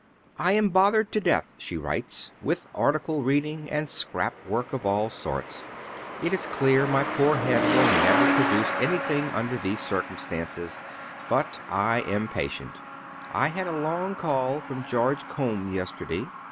"I am bothered to death," she writes, "with article reading and scrap work of all sorts; it is clear my poor head will never produce anything under these circumstances; but I am patient.... I had a long call from George Combe yesterday.